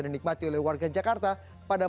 dinikmati oleh warga jakarta pada